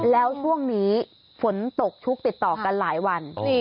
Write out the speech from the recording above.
แล้วช่วงนี้ฝนตกชุกติดต่อกันหลายวัน